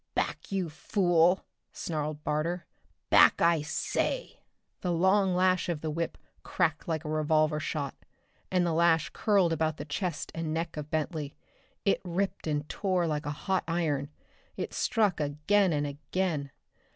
"Back, you fool!" snarled Barter. "Back, I say!" The long lash of the whip cracked like a revolver shot, and the lash curled about the chest and neck of Bentley. It ripped and tore like a hot iron. It struck again and again.